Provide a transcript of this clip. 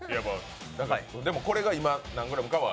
でも、これが今何グラムかは？